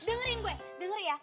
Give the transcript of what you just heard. dengarin gue dengerin ya